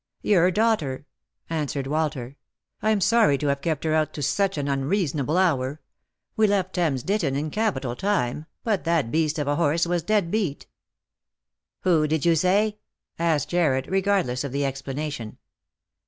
" Your daughter," answered Walter. " I'm sorry to have kept her out to such an unreasonable hour. We left Thames Lost for Love. 113 Ditton in capital time; but that beast of a Horse was dead beat." " Who did you say ?" asked Jarred, regardless of the explana tion.